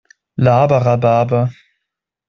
Laber Rhabarber!